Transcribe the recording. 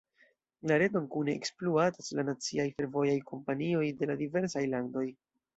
La reton kune ekspluatas la naciaj fervojaj kompanioj de la diversaj landoj.